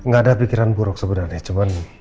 gak ada pikiran buruk sebenarnya cuman